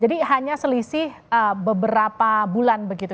jadi hanya selisih beberapa bulan begitu